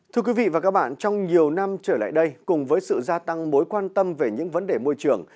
thưa quý vị và các bạn trong nhiều năm trở lại đây cùng với sự gia tăng mối quan tâm về những vấn đề môi trường